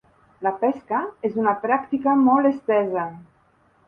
La pesca és una pràctica molt estesa.